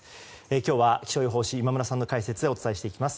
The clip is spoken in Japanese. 今日は、気象予報士の今村さんの解説でお伝えしていきます。